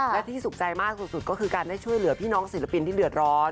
และที่สุขใจมากสุดก็คือการได้ช่วยเหลือพี่น้องศิลปินที่เดือดร้อน